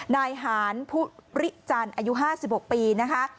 นายหารผู้ปริจันอายุ๕๖ปีนะคะ